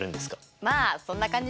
まあそんな感じです。